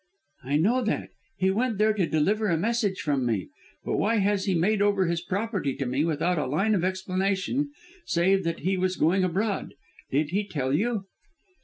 "I know that; he went there to deliver a message from me. But why has he made over his property to me without a line of explanation save that he was going abroad? Did he tell you?"